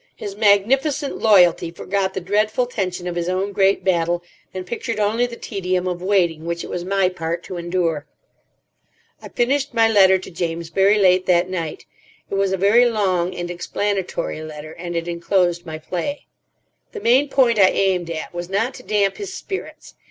His magnificent loyalty forgot the dreadful tension of his own great battle, and pictured only the tedium of waiting which it was my part to endure. I finished my letter to James very late that night. It was a very long and explanatory letter, and it enclosed my play. The main point I aimed at was not to damp his spirits.